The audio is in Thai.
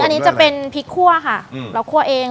อันนี้จะเป็นพริกคั่วค่ะเราคั่วเอง